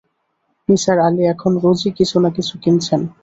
নিসার আলি এখন রোজই কিছু-না-কিছু কিনছেন।